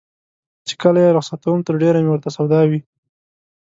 چې کله یې رخصتوم تر ډېره مې ورته سودا وي.